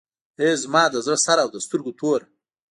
ای زما د زړه سره او د سترګو توره.